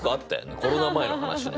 コロナ前の話ね。